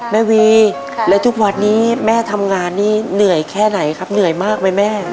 แม่วีแล้วทุกวันนี้แม่ทำงานนี่เหนื่อยแค่ไหนครับเหนื่อยมากไหมแม่